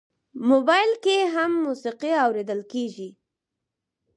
موبایل کې موسیقي هم اورېدل کېږي.